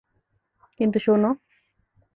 কিন্তু, শোনো!